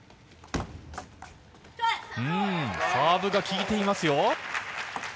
サーブが効いていますよ。